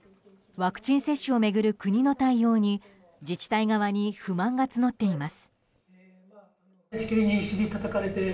ワクチン接種を巡る国の対応に自治体側に不満が募っています。